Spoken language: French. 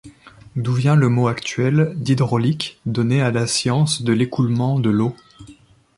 D'où vient le mot actuel d'hydraulique donné à la science de l'écoulement de l'eau.